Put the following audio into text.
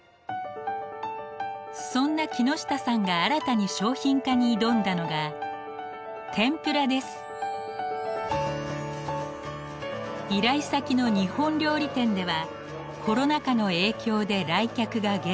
そんな木下さんが新たに商品化に挑んだのが依頼先の日本料理店ではコロナ禍の影響で来客が減少。